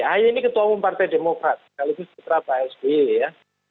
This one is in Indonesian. ahi ini ketua umum partai demokrat sekaligus ketua asb ya